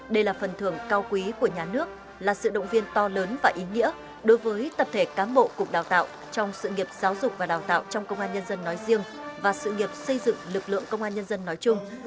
đây là phần thưởng cao quý của nhà nước là sự động viên to lớn và ý nghĩa đối với tập thể cán bộ cục đào tạo trong sự nghiệp giáo dục và đào tạo trong công an nhân dân nói riêng và sự nghiệp xây dựng lực lượng công an nhân dân nói chung